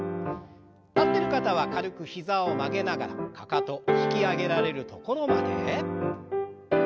立ってる方は軽く膝を曲げながらかかと引き上げられるところまで。